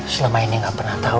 selama ini gak pernah tahu